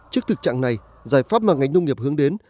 trước thực trạng này giải pháp mà ngành nông nghiệp hướng đến